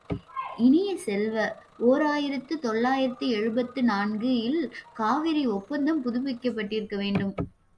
இனிய செல்வ, ஓர் ஆயிரத்து தொள்ளாயிரத்து எழுபத்து நான்கு இல் காவிரி ஒப்பந்தம் புதுப்பிக்கப்பட்டிருக்கவேண்டும்.